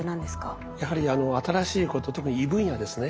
やはり新しいこと特に異分野ですね。